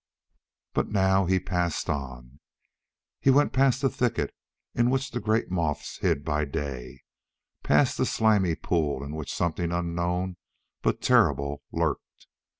But now he passed on. He went past the thicket in which the great moths hid by day, past the slimy pool in which something unknown but terrible lurked.